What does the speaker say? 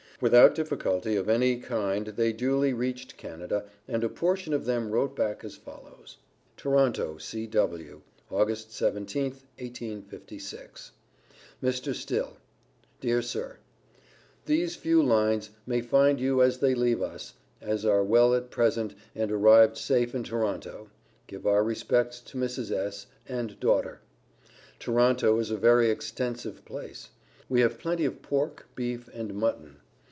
Without difficulty of any kind they duly reached Canada, and a portion of them wrote back as follows: "TORONTO, C.W., Aug. 17th, 1856. MR, STILL: Dear Sir These few lines may find you as they leave us, we are well at present and arrived safe in Toronto. Give our respects to Mrs. S. and daughter. Toronto is a very extensive place. We have plenty of pork, beef and mutton.